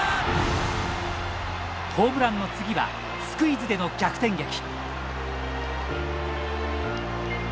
ホームランの次はスクイズでの逆転劇。